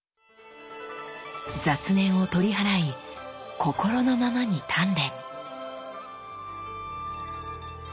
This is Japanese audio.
雑念を取り払い心のままに鍛錬！